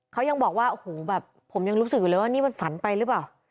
เขายังบอกว่าโอ้โหแบบผมยังรู้สึกอยู่เลยว่านี่มันฝันไปหรือเปล่า